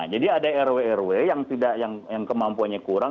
jadi ada rw rw yang kemampuannya kurang